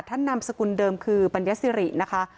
นามสกุลเดิมคือปัญญาสิรินะคะ